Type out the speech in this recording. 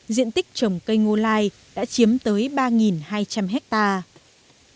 diện tích trồng cây ngô lai đã chiếm tới ba hai trăm linh hectare